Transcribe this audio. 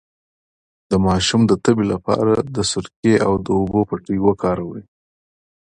د ماشوم د تبې لپاره د سرکې او اوبو پټۍ وکاروئ